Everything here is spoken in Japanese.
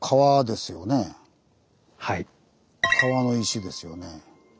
川の石ですよね。